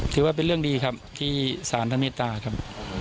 ถือว่าเป็นเรื่องดีครับที่สารท่านเมตตาครับ